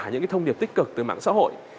những thông điệp tích cực từ mạng xã hội